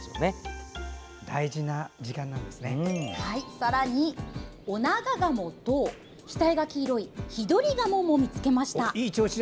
さらに、オナガガモと額が黄色いヒドリガモも見つけました。